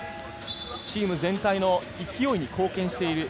チーム全体の勢いに貢献している。